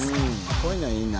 こういうのいいな。